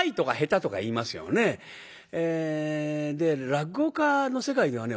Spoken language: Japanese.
落語家の世界ではね